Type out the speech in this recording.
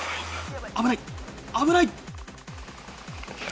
危ない危ない。